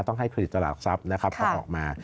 ต้องให้เครดิตตลาดหลักทรัพย์นะครับออกมา